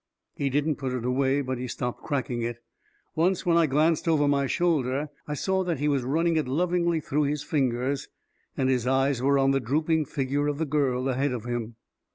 He didn't put it away, but he stopped cracking it. Once, when I glanced over my shoulder, I saw that he was running it lovingly through his fingers; and his eyes were on the drooping figure of the girl ahead of him.